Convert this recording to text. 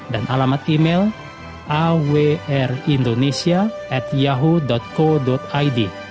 dan alamat email awrindonesia at yahoo co id